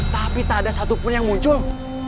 tapi tak ada satupun yang muncul